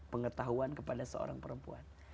pengetahuan kepada seorang perempuan